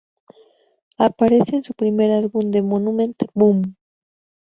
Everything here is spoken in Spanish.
Aparece en su primer álbum de Monument, "boom.